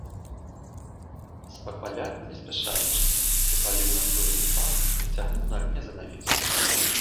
Спакваля, не спяшаючыся, запаліў на столі ліхтар, зацягнуў на акне занавеску.